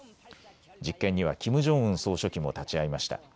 実験にはキム・ジョンウン総書記も立ち会いました。